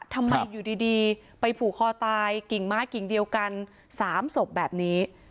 ทำไมอยู่ดีไปผูกคอตายกิ่งไม้กิ่งเดียวกัน๓ศพแบบนี้